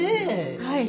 はい